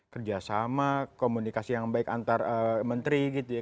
kerjasama komunikasi yang baik antar menteri gitu ya